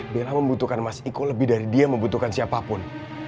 biarlah membutuhkan mas iko lebih dari dia membutuhkan siapapun